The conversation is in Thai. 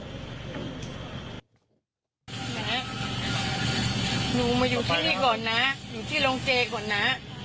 หนูมาอยู่ที่นี่ก่อนนะอยู่ที่โรงเจก่อนนะ